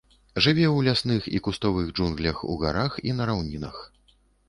Жыве ў лясных і кустовых джунглях у гарах і на раўнінах.